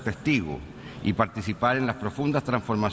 ขอบคุณครับ